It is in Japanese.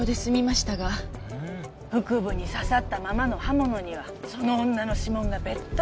腹部に刺さったままの刃物にはその女の指紋がべっとり。